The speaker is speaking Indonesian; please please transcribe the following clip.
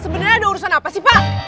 sebenarnya ada urusan apa sih pak